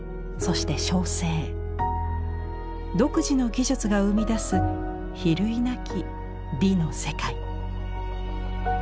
独自の技術が生み出す比類なき美の世界。